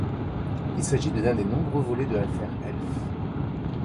Il s'agit de l'un des nombreux volets de l'affaire Elf.